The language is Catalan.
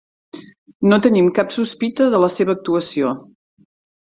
No tenim cap sospita de la seva actuació.